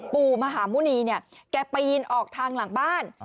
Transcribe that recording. ปู่มหาหมุณีเนี่ยแกปีนออกทางหลังบ้าน